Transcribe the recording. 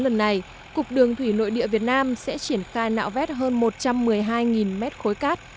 lần này cục đường thủy nội địa việt nam sẽ triển khai nạo vét hơn một trăm một mươi hai mét khối cát